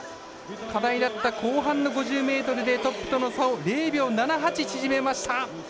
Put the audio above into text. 課題だった後半の５０ｍでトップとの差を０秒７８縮めました。